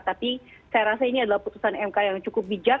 tapi saya rasa ini adalah putusan mk yang cukup bijak